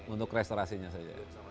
untuk restorasinya saja